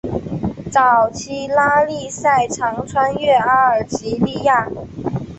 早期拉力赛常穿越阿尔及利亚。